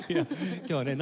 今日はね